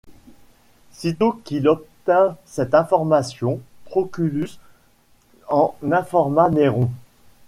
Sitôt qu'il obtint cette information, Proculus en informa Néron.